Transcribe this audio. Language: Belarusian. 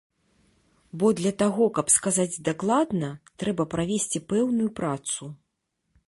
Бо для таго каб сказаць дакладна, трэба правесці пэўную працу.